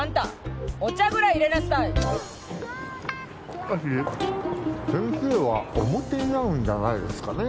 しかし先生はおもてになるんじゃないですかね？